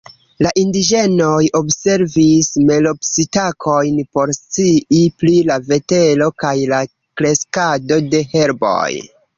La indiĝenoj observis melopsitakojn por scii pri la vetero kaj la kreskado de herboj.